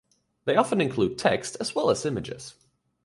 They often include text as well as images.